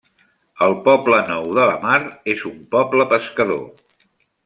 El Poble Nou de la Mar és un poble pescador.